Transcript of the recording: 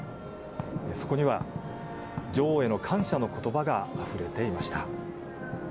そこには女王への感謝の言葉があふれていました。